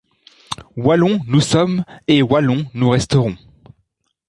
Wallons nous sommes et Wallons nous resterons.